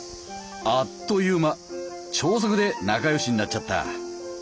あっという間超速で仲よしになっちゃった。